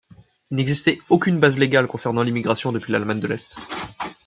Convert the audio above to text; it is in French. Il n'existait aucune base légale concernant l'émigration depuis l'Allemagne de l'Est.